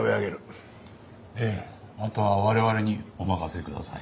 ええあとは我々にお任せください。